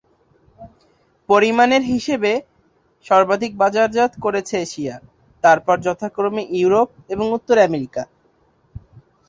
পরিমাণের হিসাবে সর্বাধিক বাজারজাত করেছে এশিয়া, তারপর যথাক্রমে ইউরোপ এবং উত্তর আমেরিকা।